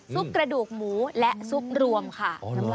กระดูกหมูและซุปรวมค่ะ